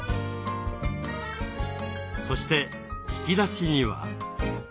そして引き出しには？